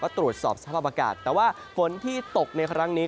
ตรวจสอบสภาพอากาศแต่ว่าฝนที่ตกในครั้งนี้